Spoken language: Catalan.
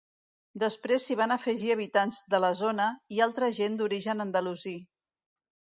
Després s'hi van afegir habitants de la zona i altra gent d'origen andalusí.